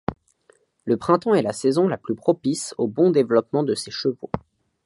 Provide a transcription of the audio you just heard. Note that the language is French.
Le printemps est la saison la plus propice au bon développement de ces chevaux.